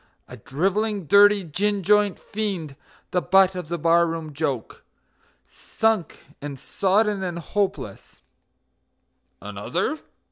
A drivelling, dirty, gin joint fiend, the butt of the bar room joke; Sunk and sodden and hopeless "Another?